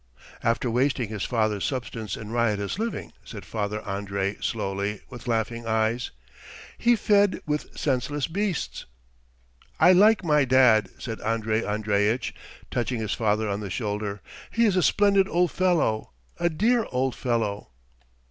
"After wasting his father's substance in riotous living," said Father Andrey slowly, with laughing eyes. "He fed with senseless beasts." "I like my dad," said Andrey Andreitch, touching his father on the shoulder. "He is a splendid old fellow, a dear old fellow."